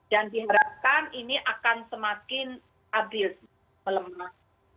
dan diharapkan ini akan semakin abil melemah